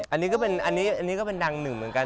อันนี้ก็ไปดังหนึ่งเหมือนกัน